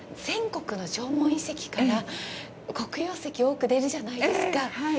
全国の縄文遺跡から黒曜石、多く出るじゃないですか。